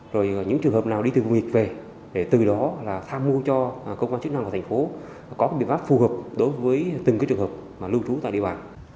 rồi những trường hợp nào đi từ vùng nghịch về để từ đó tham mưu cho cơ quan chức năng của thành phố có biện pháp phù hợp đối với từng trường hợp lưu trú tại địa bàn